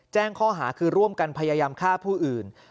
แจ้งข้อหาคือร่วมกันพยายามฆ่าผู้อื่น